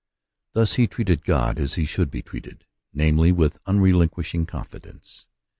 Thus he treated God a^^ he should be treated, namely, with unquestioning*^ confidence.